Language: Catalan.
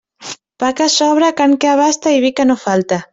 Pa que sobre, carn que abaste i vi que no falte.